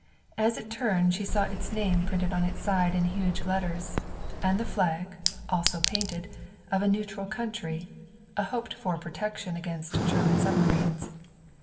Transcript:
As it turned she saw its name printed on its side in huge letters, and the flag, also painted, of a neutral country a hoped for protection against German submarines.